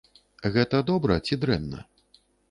Гэта добра ці дрэнна?